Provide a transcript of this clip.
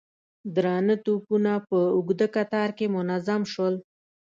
درانه توپونه په اوږده کتار کې منظم شول.